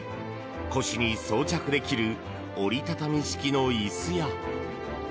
腰に装着できる折り畳み式の椅子や。